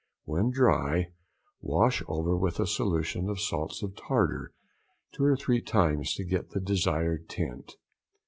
When dry, wash over with a solution of salts of tartar two or three times to get the desired tint.